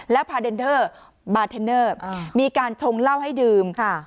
แล้วประเด็นเธอบาร์เทนเนอร์อ่ามีการชงเล่าให้ดื่มค่ะ